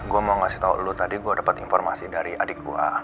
gue mau kasih tau lu tadi gue dapet informasi dari adik gue